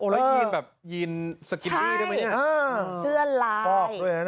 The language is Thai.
แล้วยีนแบบยีนสกินดี้ได้มั้ยเนี่ยปลอกด้วยนะครับใช่เสื้อลาย